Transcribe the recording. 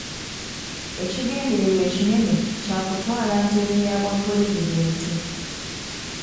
Ekigendererwa ekinene kya kutwala ntebe ya bwapulezidenti.